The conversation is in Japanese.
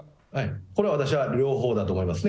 これは私は両方だと思いますね。